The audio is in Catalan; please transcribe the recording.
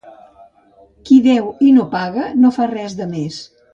Qui deu i no paga no fa res de més.